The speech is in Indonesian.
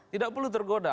tidak perlu tergoda